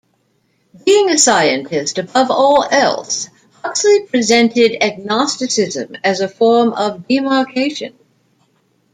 Being a scientist, above all else, Huxley presented agnosticism as a form of demarcation.